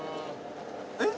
えっ？